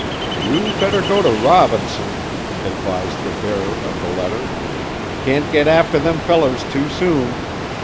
"You better go to Robinson," advised the bearer of the letter; "can't get after them fellers too soon.